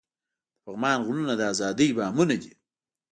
د پغمان غرونه د ازادۍ بامونه دي.